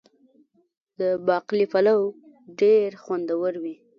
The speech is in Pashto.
د باقلي پلو ډیر خوندور وي.